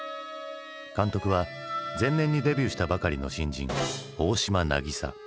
監督は前年にデビューしたばかりの新人大島渚。